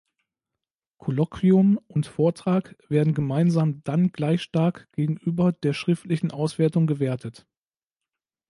Kolloquium und Vortrag werden gemeinsam dann gleich stark gegenüber der schriftlichen Auswertung gewertet.